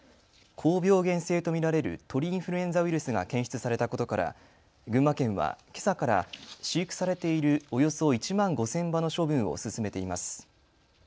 高病原性と見られる鳥インフルエンザウイルスが検出されたことから群馬県はけさから飼育されているおよそ１万５０００羽の処分を進めています。